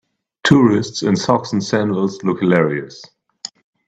Tourists in socks and sandals look hilarious.